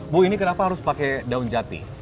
bu ini kenapa harus pakai daun jati